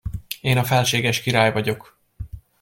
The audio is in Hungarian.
Én a felséges király vagyok!